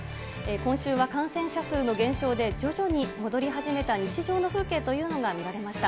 今週は感染者数の減少で、徐々に戻り始めた日常の風景というのが見られました。